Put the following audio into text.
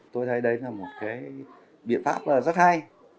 tôi thấy đấy là một cái biện pháp rất hay